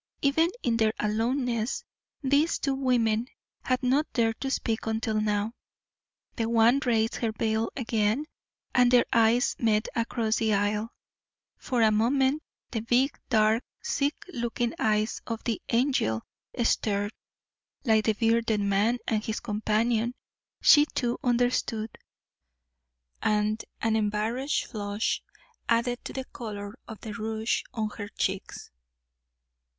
Even in their aloneness these two women had not dared to speak until now. The one raised her veil again, and their eyes met across the aisle. For a moment the big, dark, sick looking eyes of the "angel" stared. Like the bearded man and his companion, she, too, understood, and an embarrassed flush added to the colour of the rouge on her cheeks.